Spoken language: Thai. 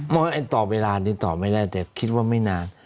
ต่อเวลานี้ต่อไม่ได้แต่คิดว่าไม่นาน